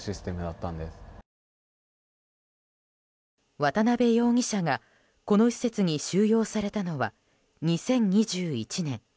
渡邉容疑者が、この施設に収容されたのは２０２１年。